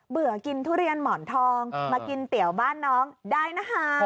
กินทุเรียนหมอนทองมากินเตี๋ยวบ้านน้องได้นะคะ